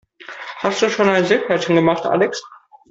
Hast du schon dein Seepferdchen gemacht, Alex?